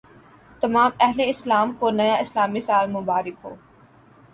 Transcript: تمام اہل اسلام کو نیا اسلامی سال مبارک ہو